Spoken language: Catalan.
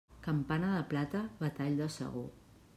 Campana de plata, batall de segó.